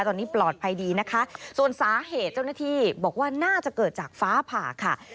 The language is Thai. ตอนนี้ปลอดภัยดีนะคะส่วนสาเหตุเจ้าหน้าที่บอกว่าน่าจะเกิดจากฟ้าผ่าค่ะ